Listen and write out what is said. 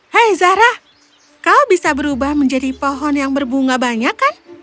hei zahra kau bisa berubah menjadi pohon yang berbunga banyak kan